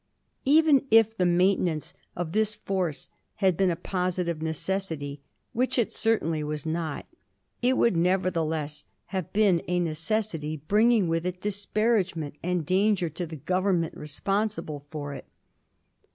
Even if the maintenance of this force had been a positive necessity, which it certainly was not, it would, nevertheless, have been a necessity bringing with it disparagement and danger to the Government responsible for it.